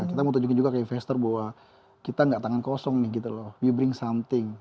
kita mau tunjukin juga ke investor bahwa kita gak tangan kosong nih gitu loh bea bring something